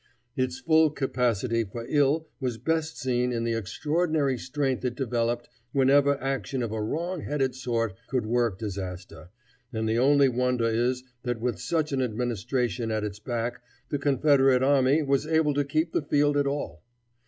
Its full capacity for ill was best seen in the extraordinary strength it developed whenever action of a wrong headed sort could work disaster, and the only wonder is that with such an administration at its back the Confederate army was able to keep the field at all.